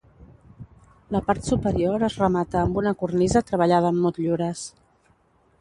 La part superior es remata amb una cornisa treballada en motllures.